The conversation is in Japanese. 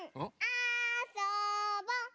あそぼ！